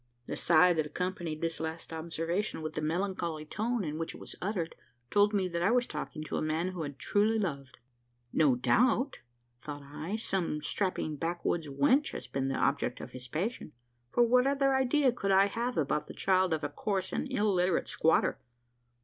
The sigh that accompanied this last observation, with the melancholy tone in which it was uttered, told me that I was talking to a man who had truly loved. "No doubt," thought I, "some strapping backwoods wench has been the object of his passion," for what other idea could I have about the child of a coarse and illiterate squatter?